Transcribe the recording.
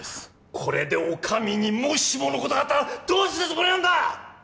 これでお上にもしものことがあったらどうするつもりなんだ！